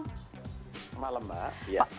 selamat malam mbak